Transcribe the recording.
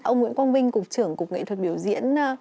ông nguyễn quang vinh cục trưởng cục nghệ thuật biểu diễn